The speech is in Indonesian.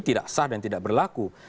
tidak sah dan tidak berlaku